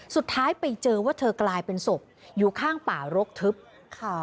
สุดท้ายไปเจอว่าเธอกลายเป็นศพอยู่ข้างป่ารกทึบค่ะ